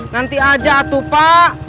nanti aja tuh pak